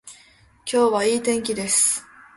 今日はいい天気です。